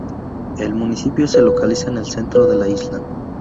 El municipio se localiza en el centro de la isla.